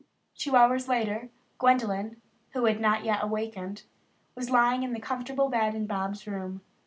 Two hours later Gwendolyn, who had not awakened, was lying in the comfortable bed in Bobs' room.